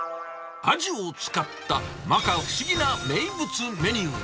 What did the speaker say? アジを使った摩訶不思議な名物メニュー。